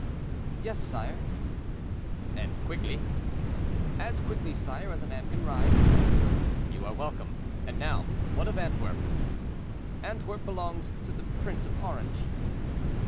"Yes, sire." "And quickly?" "As quickly, sire, as a man can ride." "You are welcome. And now, what of Antwerp?" "Antwerp belongs to the Prince of Orange."